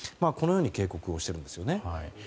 このように警告をしているんですね。